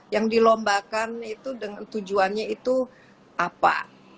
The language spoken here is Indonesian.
yang dilombakan itu dengan tujuannya itu apa